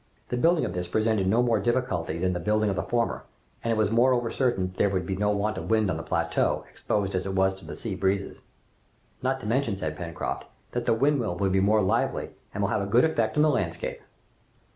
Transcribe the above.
The building of this presented no more difficulty than the building of the former, and it was moreover certain that there would be no want of wind on the plateau, exposed as it was to the sea breezes. "Not to mention," said Pencroft, "that the windmill will be more lively and will have a good effect in the landscape!"